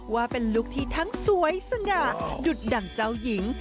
ว่าเป็นลุคที่ทั้งสวยสง่าดุดดั่งเจ้าหญิง